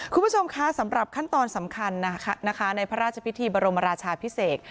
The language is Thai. คุณผู้ชมคะสำหรับขั้นตอนสำคัญนะคะในพระราชพิธีบรมราชาพิเศษ